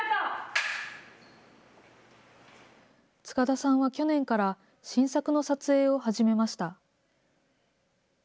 塚田さんは去年から新作の撮影を始めました。